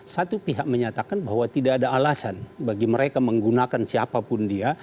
satu pihak menyatakan bahwa tidak ada alasan bagi mereka menggunakan siapapun dia